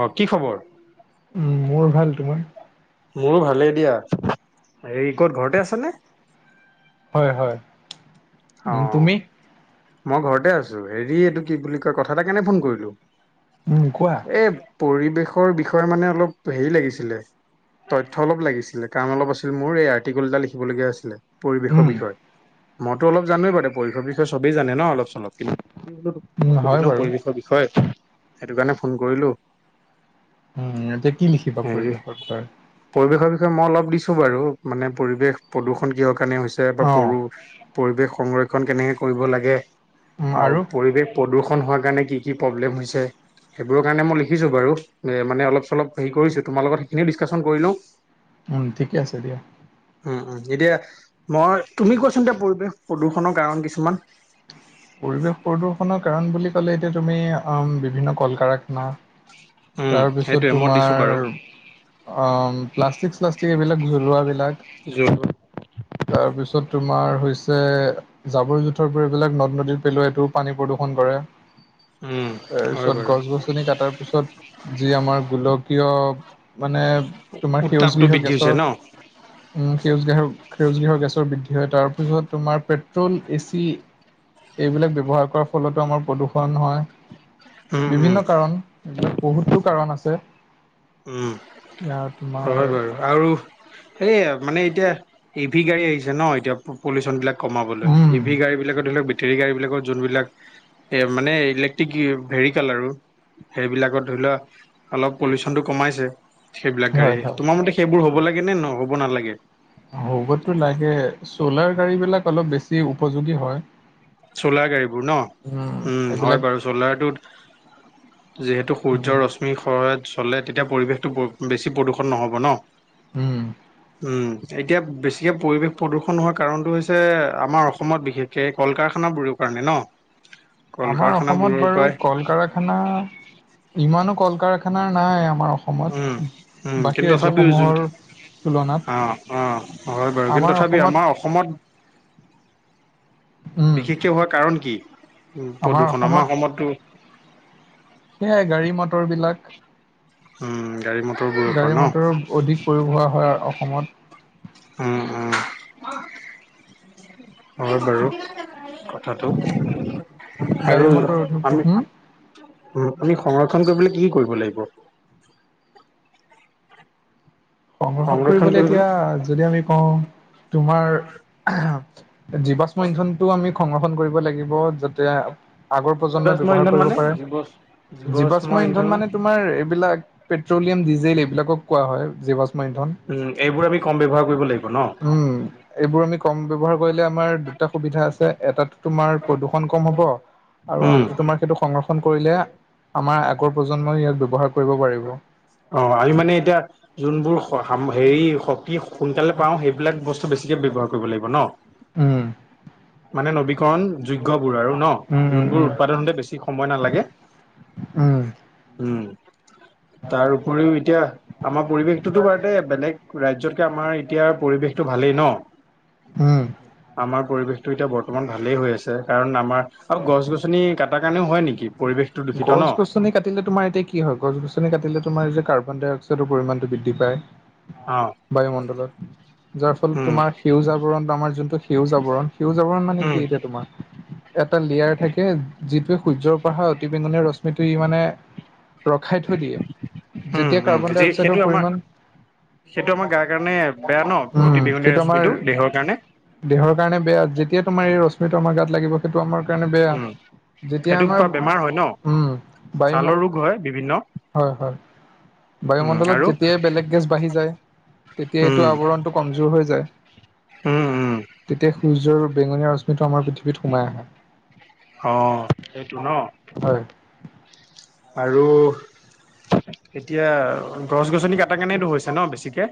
অহ, কি খবৰ? মোৰ ভাল। তোমাৰ? মোৰো ভালেই দিয়া। এই ক'ত ঘৰতে আছানে? হয়, হয়। উম, অহ, তুমি? মই ঘৰতে আছোঁ। হেৰি এইটো কি বুলি কয় কথা এটা কাৰণে ফোন কৰিলোঁ। উম, কোৱা? এ, পৰিৱেশৰ বিষয়ে মানে অলপ হেৰি লাগিছিলে। তথ্য অলপ লাগিছিলে, কাম অলপ আছিল মোৰ, এই আৰ্টিকুল এটা লিখিবলগীয়া আছিলে উম, পৰিৱেশৰ বিষয়ে। তই অলপ জান'ৱেই বাৰু দে পৰিশৰ বিষয়ে, চবেই জানে ন' অলপ চলপ কিন উম, মই সুধি হয় লওঁ বাৰু। পৰিৱেশৰ বিষয়ে সেইটো কাৰণে ফোন কৰিলোঁ। হুম, এতিয়া কি লিখিবা পৰিৱেশৰ বিষয়ে? পৰিৱেশৰ বিষয়ে মই অলপ দিছোঁ বাৰু মানে পৰিৱেশ প্ৰদূষণ কিহৰ কাৰণে হৈছে বা অ', পৰো পৰিৱেশ সংৰক্ষণ কেনেকৈ কৰিব লাগে আৰু পৰিৱেশ প্ৰদূষণ হোৱাৰ কাৰণে কি কি প্ৰব্লেম হৈছে। সেইবোৰৰ কাৰণে মই লিখিছোঁ বাৰু মানে অলপল হেৰি কৰিছোঁ, তোমাৰ লগত সেইখিনি ডিছকাচন কৰি লওঁ। উম, ঠিকে আছে দিয়া। উম, উম, এতিয়া মই তুমি কোৱাচোন এতিয়া পৰিৱেশ প্ৰদূষণৰ কাৰণ কিছুমান? পৰিৱেশ প্ৰদূষনৰৰ কাৰণ বুলি ক'লে এতিয়া তুমি বিভিন্ন কল কাৰখানা উম তাৰপিছত সেইটোৱে মই দিছোঁ তোমাৰ বাৰু অ' প্লাষ্টিক শ্লাষ্টিক এইবিলাক জৰুৱাবিলাক। যোৰ তাৰপিছত তোমাৰ হৈছে জাবৰ জোথ থৰ পৰিবিলাক নদ নদীত পেলোৱাই এইটোও পানী প্ৰদূষণ কৰে, উম হয় তাৰপিছত বাৰু গছ গছ গছনি কাটাৰ পিছত যি আমাৰ গোলকীয় মানে তোমাৰ সেউজ উত্তাপটো গৃহ বৃদ্ধি হৈছে গেছৰ ন উম, সেউজ গ্ৰেহ সেউজ গৃহৰ গেছৰ বৃদ্ধি হয় তাৰপিছত তোমাৰ পেট্ৰল এচি এইবিলাক ব্যৱহাৰ কৰাৰ ফলতো আমাৰ প্ৰদূষণ হয়। উম উম বিভিন্ন কাৰণ, এইবিলাক বহুতো কাৰণ আছে। উম, এতিয়া তোমাৰ হয় বাৰু। আৰু এয়ে মানে এতিয়া এ ভি গাড়ী আহিছে ন' এতিয়া পলিউচনবিলাক কমাবলৈ, উম ইভি গাড়ীবিলাক ধৰি লক বেটেৰী গাড়ীবিলাকত যোনবিলাক মানে ইলেট্ৰিক ভেহিকেল আৰু সেইবিলাকত ধৰি লোৱা অলপ পলিউচন চনটো কমাইছে সেইবিলাক হয় গাড়ীয়ে, হয় তোমাৰ মতে সেইবোৰ হ'ব লাগে নে নহ'ব নালাগে? হ'বটো লাগে, চ'লাৰ গাড়ীবিলাক অলপ বেছি উপযোগী হয়। চ'লাৰ গাড়ীবোৰ ন' উম, হয় বাৰু চ'লাৰটোত যিহেতু উম সূৰ্যৰ ৰশ্মি সহায়ত চলে তেতিয়া পৰিৱেশটো বেছি প্ৰদূষণ নহ'ব ন'? উম। উ, এতিয়া বেছিকে পৰিবেশ প্ৰদূষণ হোৱাৰ কাৰণটো হৈছে আমাৰ অসমত বিশেষকে কল কাৰখা নাবোৰৰ কাৰণে ন'? কল আমাৰ অসমত কাৰখানাবোৰৰ বাৰু পৰাই কল কাৰখানা ইমানো কল কাৰখানা নাই, আমাৰ অস উম, উম, সমত বাকী কিন্তু তথাপিও যোন ৰাজ্যসমূহৰ তুলনাত অ', অ' হয় বাৰু কিন্তু আমাৰ তথাপি অসমত আমাৰ অসমত উম বিশেষকে হোৱাৰ কাৰণ কি? উ, প্ৰদূষণ আমাৰ অসমতো সেয়াই গাড়ী মটৰবিলাক। উম, গাড়ী মটৰবোৰ ন'? কৰি বোৱা হয় আৰু অসমত। উম, উম, হয় বাৰু। কথাটো গাড়ী আৰু মটৰ অধিক আমি হম উ, আমি সংৰক্ষন কৰিবলৈ কি কি কৰিব লাগিব? সংৰক্ষন কৰিবলৈ এতিয়া যদি আমি কওঁ তোমাৰ জীৱাশ্ম ইন্ধনটো আমি সংৰক্ষণ কৰিব লাগিব য'ত যে আগৰ প্ৰজন্মই জীৱাশ্ম ব্যৱহাৰ ইন্ধন কৰিব মানে পাৰে। জীৱ জীৱাশ্ম ইন্ধন মানে তু তোমাৰ এইবিলাক পেট্ৰলিয়াম, ডিজেল এইবিলাকক কোৱা হয় জীৱাষ্ম ইন্ধন। উম, এইবোৰ আমি কম ব্যৱহাৰ কৰিব লাগিব ন'? উম, এইবোৰ আমি কম ব্যৱহাৰ কৰিলে আমাৰ দুটা সুবিধা আছে এটাত তোমাৰ প্ৰদূষণ কম হ'ব আৰু উম, আনটো তোমাৰ সেইটো সংৰক্ষণ কৰিলে আমাৰ আগৰ প্ৰজন্মই ইয়াক ব্যৱহাৰ কৰিব পাৰিব। অ', আমি মানে এতিয়া যোনবোৰ হেৰি শক্তি সোনকালে পাওঁ সেইবিলাক বস্তু বেছিকে ব্যৱহাৰ কৰিব লাগিব ন'? উম। মানে নবীকৰণ যোগ্যবোৰ আৰু উম, ন' উম, যোনবোৰ উম, উৎপাদন হতে বেছি সময় নালাগে উম, উম। তাৰ উপৰিও এতিয়া আমাৰ পৰিৱেশটোতো বাৰুতে বেলেগ ৰাজ্যতকে আমাৰ এতিয়া পৰিৱেশতটো ভালেই ন'? উম। আমাৰ পৰিৱেশটো এতিয়া বৰ্তমান ভালেই হৈ আছে কাৰণ আমাৰ আৰু গছ গছনি কটাৰ কাৰণেও হয় নেকি পৰিৱেশটো দূষিত ন'? গছ গছনি কাটিলে তোমাৰ এতিয়া কি হয় গছ গছনি কাটিলে তোমাৰ যে কাৰ্বন ডাইঅক্সাইডৰ পৰিমাণটো বৃদ্ধি পায়। অ', বায়ুমণ্ডলৰ। যাৰ ফলত উম, তোমাৰ সেউজ আবৰণ আমাৰ যোনটো সেউজ আবৰণ সেউজ আবৰণ মানে উম, কি এতিয়া তোমাৰ এটা লেয়াৰ থাকে যিটোৱে সূৰ্যৰ পা অহা অতি বেঙুনীয়া ৰশ্মিটো ই মানে ৰখাই থৈ দিয়ে উম, যেতিয়া উম, কাৰ্বন যি ডাই সেইটো অক্সাইডৰ আমাৰ পৰিমাণ সেইটো আমাৰ গাৰ কাৰণে বেয়া ন অতি উম, বেঙুনীয়া সেইটো আমাৰ ৰশ্মিটো দেহৰ কাৰণে দেহৰ কাৰণে বেয়া যেতিয়া তোমাৰ এই ৰশ্মিটো আমাৰ গাত লাগিব সেইটো আমাৰ কাৰণে বেয়া উম যেতিয়া সেইটো আমাৰ পৰা বেমাৰ হয় ন উম বায়ু ছালৰ ৰোগ হয় বিভিন্ন হয় হয়। উম বায়ুমণ্ডলত আৰু যেতিয়াই বেলেগ গেছ বাঢ়ি যায় উম তেতিয়াইো আৱৰণটো কমজোৰ হৈ যায়। উম, উম। তেতিয়া সূৰ্যৰ বেঙনীয়া ৰশ্মিটো আমাৰ পৃথিৱীত সোমাই আহে। অ', সেইটো ন? হয় আৰু এতিয়া গছ গছনি কটাৰ কাৰণেতো হৈছে ন বেছিকে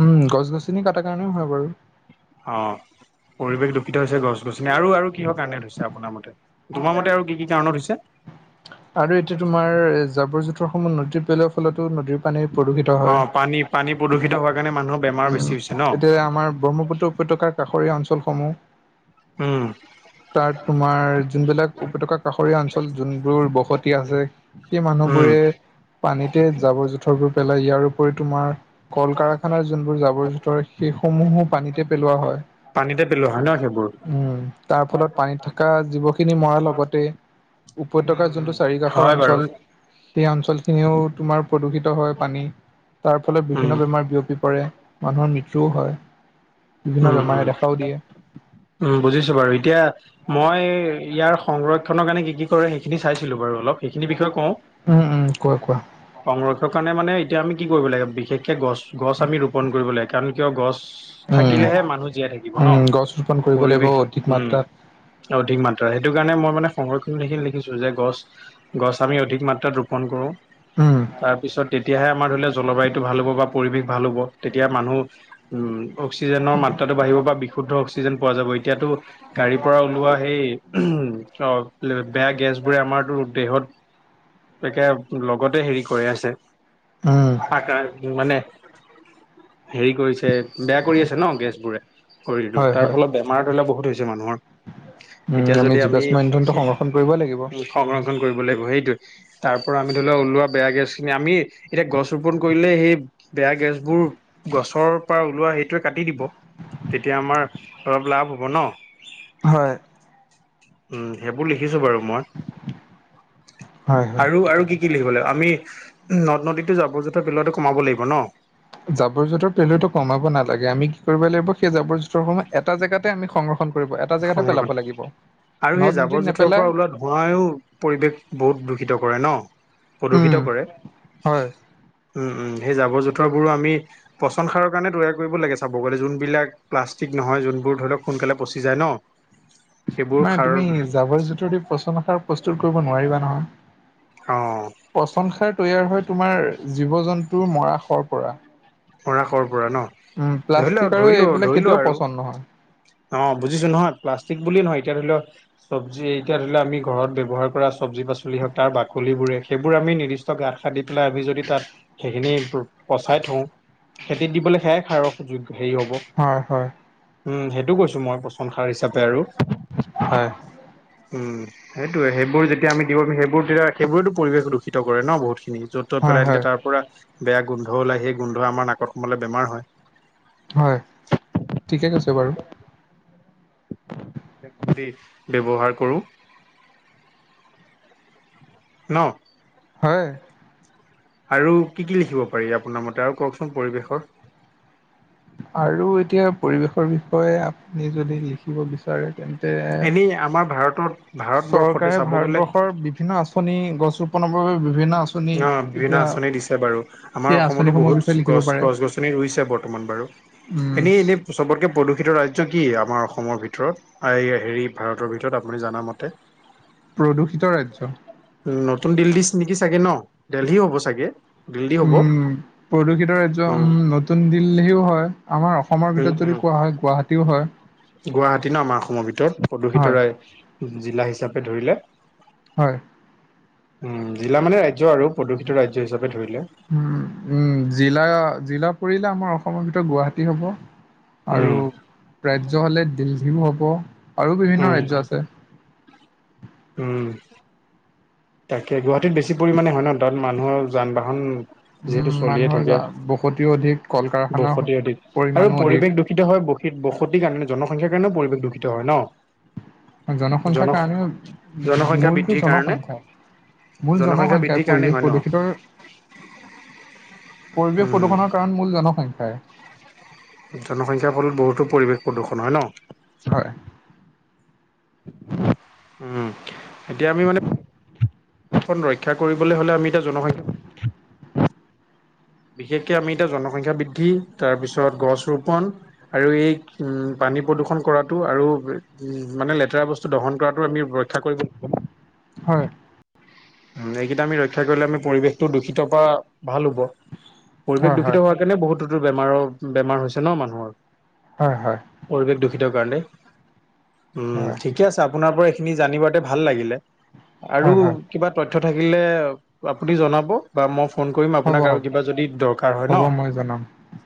উম, গছ গছনি কটাৰ কাৰণেও হয় বাৰু। অ', পৰিৱেশ দুূষিত হৈছে গছ গছনি আৰু আৰু কিহৰ কাৰণে হৈছে আপোনাৰ মতে। তোমাৰ মতে আৰু কি কি কাৰণত হৈছে। আৰু এতিয়া তোমাৰ এ জাবৰ জোঁথৰ সমূহ নদীত পেলোৱাৰ ফলতো নদীৰ পানী প্ৰদূষিত অ হয় পানী পানী প্ৰদূষিত হোৱাৰ কাৰণে মানুহৰ বেমাৰ উম, বেছি হৈছে ন এতিয়া আমাৰ ব্ৰহ্মপুত্ৰ উপত্যকাৰ কাষৰীয়া অঞ্চলসমূহ উম তাত তোমাৰ যোনবিলাক উপত্যকা কাষৰীয়া অঞ্চল যোনবোৰ ব সতি আছে সেই উম মানুহবোৰে পানীতে জাবৰ জোথৰবোৰ পেলাই ইয়াৰ উপৰি তোমাৰ কল কাৰখানাৰ যোনবোৰ জাবৰ জোথৰ সেইসমূহো পানীতে পেলোৱা হয়। পানি পেলো উম, তাৰ ফলত পানীত থকা জীৱ খিনি মৰাৰ লগতে উপত্যকাৰ উম যোনটো উম [unintelligible] ৰ কাষৰ হয় বাৰু অঞ্চল সেই অঞ্চলখিনিও তোমাৰ প্ৰদূষিত হয় পানী। তাৰ ফলত উম বিভিন্ন বেমাৰ বিয়পি পৰে মানুহৰ মৃত্যুও হয়। বিভিন্ন উম, বেমাৰে উম, দেখাও দিয়ে উম, বুজিছো বাৰু এতিয়া মই ইয়াৰ সংৰক্ষনৰৰ কাৰণে কি কি কৰে সেইখিনি চাইছিলো বাৰু অলপ। সেইখিনি বিষয়ে কওঁ। উম, উম, কোৱা, কোৱা, সংৰক্ষৰ কাৰণে মানে এতিয়া আমি কি কৰিব লাগে বিশেষকে গছ গছ আমি ৰোপন কৰিব লাগে কাৰণ কিয় গছ উম। থাকিলেহে মানুহ জীয়াই থাকিব ন উম, গছ ৰোপন কৰিব লাগিব পৰিৱেশ অধিক উম। মাত্ৰাত, অধিক মাত্ৰা সেইটো কাৰণে মই মানে সংৰক্ষণ সেইখিনি লিখিছো যে গছ গছ আমি অধিক মাত্ৰাত ৰোপণ কৰোঁ। উম, তাৰপিছত তেতিয়াহে আমাৰ ধৰি লও জলবায়ুতটো ভাল হ'ব বা পৰিৱেশ ভাল হ'ব, তেতিয়া মানুহ। উম্, অক্সিজেনৰ মাত্ৰাটো বাঢ়িব বা বিশুদ্ধ অক্সিজেন পোৱা যাব। এতিয়াতো গাড়ীৰ পৰা ওলোৱা সেই বেয়া গেছবোৰে আমাৰতো দেহত একে লগতে হেৰি কৰি আছে। উম্। আকৰা মানে হেৰি কৰিছে। বেয়া কৰি আছে ন, গেছবোৰে শৰীৰটোৰ। হয়, তাৰ হয়, ফলত বেমাৰ ধৰিলোৱা বহুত হৈছে মানুহৰ। উম, এতিয়া যদি আমি, জীৱাশ্ম ইন্ধনটো সংৰক্ষণ কৰিব লাগিব। সংৰক্ষণ কৰিব লাগিব। সেইটো। তাৰ পৰা আমি ধৰি লোৱা ওলোৱা বেয়া গেছ খিনি, আমি এতিয়া গছ ৰোপন কৰিলে সেই বেয়া গেছবোৰ, গছৰ পৰা ওলোৱা সেইটোৱে কাটি দিব, তেতিয়া আমাৰ অলপ লাভ হ'ব ন। হয়। উম্, সেইবোৰ লিখিছো বাৰু মই। হয়, হয়, আৰু আৰু কি কি লিখিব লাগিব। আমি নদ-নদীতো জাবৰ-জোথৰ পেলোৱাটো কমাব লাগিব ন। জাবৰ-জোঁথৰ পেলোৱাতো কমাব নালাগে, আমি কি কৰিব লাগিব, সেই জাবৰ-জোঁথৰ সমূহ এটা জেগাতে আমি সংৰ ক্ষণ কৰিব এটা এটা জেগাতে সংৰক্ষণ পেলাব লাগিব। আৰু সেই নদ নদীত জাবৰ-জোঁথৰৰ নেপেলাই, পৰা ওলোৱা ধোঁৱাইও, পৰিৱেশ বহুত দূষিত কৰে ন। উম। প্ৰদূষিত কৰে। হয়। উম্, উম্। সেই জাবৰ-জোঁথৰবোৰো আমি পচন সাৰৰ কাৰণে তৈয়াৰ কৰিব লাগে চাব গ'লে। যোনবিলাক প্লাষ্টিক নহয়, যোনবোৰ ধৰি লক সোনকালে প যায় ন সেইবোৰ মানে সাৰ তুমি, জাবৰ-জোঁথৰ দি পচন সাৰ প্ৰস্তুত কৰিব নোৱাৰিবা নহয়। অ', পচন সাৰ তৈয়াৰ হয় তোমাৰ জীৱ-জন্তুৰ মৰাশৰ পৰা। মৰাশৰ পৰা ন, উম, প্লাষ্টিক ধৰিলোৱা, আৰু ধৰিলোঁ এইবিলাক ধৰিলোঁ কেতিয়াও আৰু পচন্দ নহয়। অ', বুজিছোঁ নহয়। প্লাষ্টিবোলিয়ে নহয় এতিয়া ধৰি লওঁ চব্জি, এতিয়া ধৰি লোৱা আমি ঘৰত ব্যৱহাৰ কৰা চব্জি পাচলি হওঁক, তাৰ বাকলিবোৰে সেইবোৰ আমি নিৰ্দিষ্ট গাত খান্দি পেলাই আমি যদি তাত সেইখিনি পচাই থওঁ খেতিত দিবলৈ সেয়াই খাৰৰ য হেৰি হ'ব হয় হয়। উম্, সেইটো কৈছোঁ মই, পচন সাৰ হিচাপে আৰু হয়। উম্ সেইটোয়ে, সেইবোৰ যেতিয়া আমি দিব পাৰিম। সেইবোৰে তেতিয়া সেইবোৰটো পৰিৱেশ দূষিত কৰে ন বহুতখিনি য'ত ত হয়, পেলাই হয়, দিলে তাৰ পৰা বেয়া গোন্ধ ওলায়, সেই গোন্ধ আমাৰ নাকত সোমালে বেমাৰ হয়্ হয়, ঠিকে কৈছে বাৰু ব্যৱহাৰ কৰোঁ। ন। হয়। আৰু কি কি লিখিব পাৰি আপোনাৰ মতে, আৰু কওঁকচোন পৰিৱেশৰ আৰু এতিয়া পৰিৱেশৰ বিষয়ে আপুনি যদি লিখিব বিচাৰে তেন্তে এনেই আমাৰ ভাৰতত ভ চৰকাৰে ভাৰতবৰ্ষৰ বিভিন্ন আঁচনি, গছ ৰোপনৰ বাবে বিভিন্ন আঁচনি অ', বিভিন্ন এতিয়া আঁচনি দিছে বাৰু সেই আমাৰ অসমতো আঁচনিসমূহৰ বিষয়ে বহুত লিখিব গছ, গছ-গছনি ৰুইছে। বৰ্তমান বাৰু উম্। এনেই, এনেই চবতকৈ প্ৰদূষিত ৰাজ্য কি আমাৰ অসমৰ ভিতৰত হেৰি, ভাৰতৰ ভিতৰত আপুনি জনামতে প্ৰদূষিত ৰাজ্য, উ নতুন দিল্লী নেকি চাগে ন, দেলহিও হ'ব চাগে। দিল্লী হ'ব উম, প্ৰদূষিত ৰাজ্য উম, নতুন দিল্লীও হয়। আমাৰ অসমৰ উম ভিতৰত উম যদি কোৱা হয় গুৱাহাটীও হয়। গুৱাহাটী ন আমাৰ অসমৰ ভিতৰত, হয়, প্ৰদূষিতৰাই জিলা হিচাপে ধৰিলে। হয়। উম, জিলা মানে ৰাজ্য আৰু প্ৰদূষিত ৰাজ্য হিচাপে ধৰিলে। উম উম, জিলা, জিলা পৰিলে আমাৰ অসমৰ ভিতৰত গুৱাহাটী হ'ব। আৰু, উম ৰাজ্য হ'লে দিল্লীও হ'ব, আৰু বিভিন্ন উম উম ৰাজ্্য আছে। উম। তাকে গুৱাহাটীত বেছি পৰিমাণে হয় ন তাত মানুহৰ যান- বাহন যিহেতু উম, চলিয়ে মানুহৰ থাকে, জা- বসতিও অধিক কল কাৰখানাৰ বসতি অধিক, আৰু পৰিমাণো অধিক পৰিৱেশ দু ূষিত হয় ব বসতিৰ কাৰণে জনসংখ্যাৰ কাৰণেও পৰিৱেশ দূষিত হয় ন। জন জনসংখ্যাৰ কাৰণে, জনসংখ্যা মূলটো বৃদ্ধিৰ কাৰণে জনসংখ্যাই। মূল জনসংখ্যা জনসংখ্যাৰ বৃদ্ধিৰ কাৰণে পৰিৱেশ হয় ন প্ৰদূষিতৰ, পৰিৱেশ উম প্ৰদূষণত াণ মূল জনসংখ্যাই। জনসংখ্যাৰ ফলত বহুতো পৰিৱেশ প্ৰদূষণ হয় ন। হয়। উম, এতিয়া আমি মানে খন ৰক্ষা কৰিবলৈ হ'লে আমি এতিয়া জনসংখ্যা বিশেষকে আমি এতিয়া জনসংখ্যা বৃদ্ধি তাৰপিছত গছ ৰোপন আৰু এই উ পানী প্ৰদূষণ কৰাতটো আৰু উ মানে লেতেৰা বস্তু দহন কৰাটো আমি ৰক্ষ [unintelligible] হয়। এইকেইটা আমি ৰক্ষা কৰিলে আমি পৰিৱেশটো দূষিত পৰা ভাল হব, পৰিৱেশ হয় হয় দূষিত হোৱাত সকাৰণে বহুতোতো বেমাৰৰ, বেমাৰ হৈছে ন মানুহৰ। হয় হয়। পৰিৱেশ দূষিত কাৰণে, উম হয় ঠিকে আছে। আপোনাৰ পৰা এইখিনি জানিবতে ভাল লাগিলে, আৰু হয় হয় কিবা তথ্য থাকিলে, আপুনি জনাব। বা মই ফোন কৰিম হ'ব আপোনাক আৰু হ'ব কিবা যদি দৰকাৰ হয় ন, হ'ব মই জনাম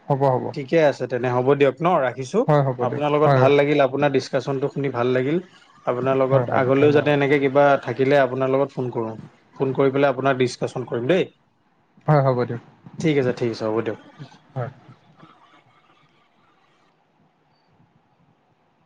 হ'ব হ'ব ঠিকে আছে। আচ্ছা, তেনে হ'ব দিয়ক ন ৰাখিছোঁ, হয় হ'ব দিয়ক আপোনাৰ লগত হয় ভাল লাগিল আপোনাৰ ডিছকাশচনটো শুনি ভাল লাগিল। আপোনাৰ লগত, হয় হয় আগলৈও যাতে ধন্যবাদ এনেকে কিবা থাকিলে আপোনাৰ লগত ফোন, কৰো ফোন কৰি পেলাই আপোনাক ডিচকাচন কৰিম দেই। হয় হ'ব দিয়ক। ঠিক আছে, ঠিক আছে, হ'ব দিয়ক। হয়